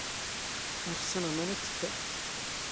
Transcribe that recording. ⵓⵔ ⵙⵙⵉⵏⵖ ⵎⴰⵏⵉ ⴷ ⵜⴽⴽⴰ.